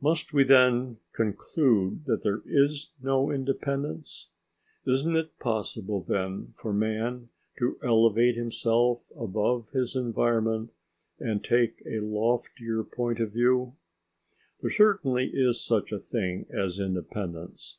Must we then conclude that there is no independence? Isn't it possible then for man to elevate himself above his environment and take a loftier point of view? There certainly is such a thing as independence.